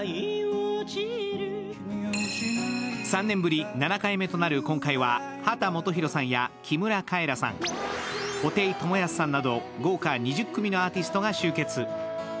３年ぶり７回目となる今回は、秦基博さんや木村カエラさん、布袋寅泰さんなど、豪華２０組のアーティストが集結。